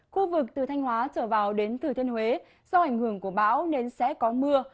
khu vực từ thanh hóa trở vào đến thừa thiên huế do ảnh hưởng của bão nên sẽ có mưa